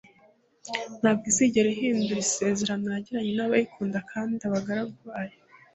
Ntabwo izigera ihindura isezerano yagiranye nabayikunda kandi abagaragu bayo